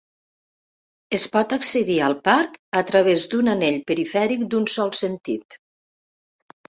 Es pot accedir al parc a través d'un anell perifèric d'un sol sentit.